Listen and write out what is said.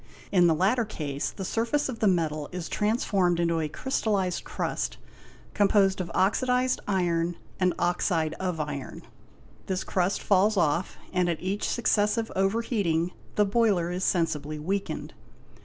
In the latter case the surface of the metal is transformed into a crystallized crust, composed of oxidized iron and oxide of iron; this crust falls off and at each successive over heating the boiler is sensibly weakened.